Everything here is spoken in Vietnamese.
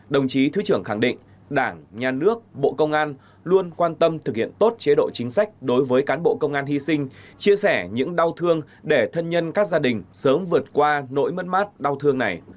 đồng chí thứ trưởng khẳng định đảng nhà nước bộ công an luôn quan tâm thực hiện tốt chế độ chính sách đối với cán bộ công an hy sinh chia sẻ những đau thương để thân nhân các gia đình sớm vượt qua nỗi mất mát đau thương này